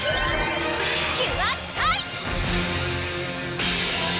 キュアスカイ！